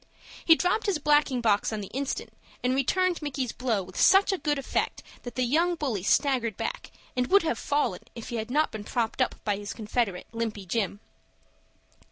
He dropped his blacking box on the instant, and returned Micky's blow with such good effect that the young bully staggered back, and would have fallen, if he had not been propped up by his confederate, Limpy Jim.